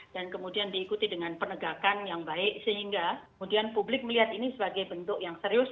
dan kemudian diikuti dengan penegakan yang baik sehingga kemudian publik melihat ini sebagai bentuk yang serius